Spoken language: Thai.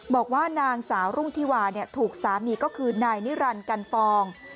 บอกว่านางสาวรุ่งธิวาถูกสามีก็คือนายนิรันดิ์กันฟอง